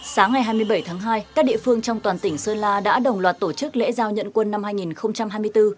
sáng ngày hai mươi bảy tháng hai các địa phương trong toàn tỉnh sơn la đã đồng loạt tổ chức lễ giao nhận quân năm hai nghìn hai mươi bốn